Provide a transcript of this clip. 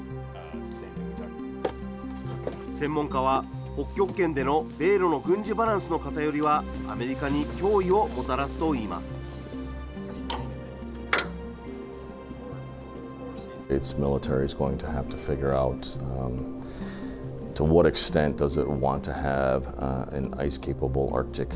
専門家は、北極圏での米ロの軍事バランスの偏りはアメリカに脅威をもたらすといいます。